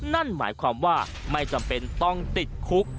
นั่นหมายความว่าไม่จำเป็นต้องติดคุก